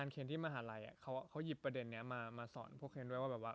เขาหยิบประเด็นนี้มาสอนพวกเค้นด้วยว่า